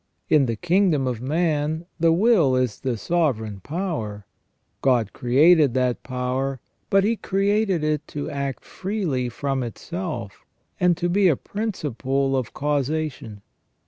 In the kingdom of man the will is the sovereign power ; God created that power, but He created it to act freely from itself, and to be a principle of causation.